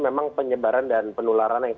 memang penyebaran dan penularan yang